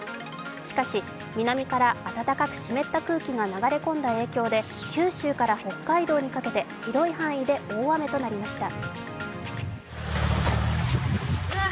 しかし、南から暖かく湿った空気が流れ込んだ影響で九州から北海道にかけて広い範囲で大雨となりました。